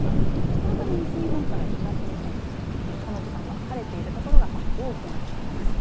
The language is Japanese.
このため西日本から東日本のこの時間は晴れている所が多くなっています。